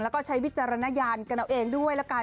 แล้วก็ใช้วิจารณญาณกันเอาเองด้วยละกัน